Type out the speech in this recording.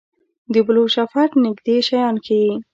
د بلوشفټ نږدې شیان ښيي.